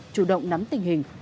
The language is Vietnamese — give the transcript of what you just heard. chủ động nắm tình hình